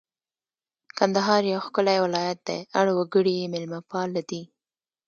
کندهار یو ښکلی ولایت دی اړ وګړي یې مېلمه پاله دي